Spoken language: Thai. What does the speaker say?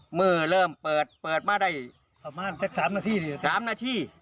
อ่ะมือเริ่มเปิดเปิดมาได้ประมาทแค่สามนาทีสองนาที